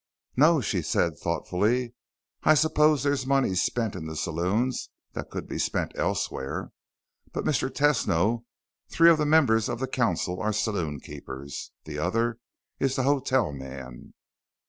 "No," she said thoughtfully. "I suppose there's money spent in the saloons that could be spent elsewhere. But, Mr. Tesno, three of the members of the council are saloonkeepers. The other is the hotel man."